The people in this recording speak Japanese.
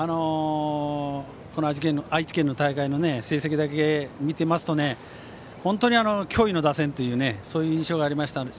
愛知県の大会の成績だけ見ていますと本当に脅威の打線という印象がありました。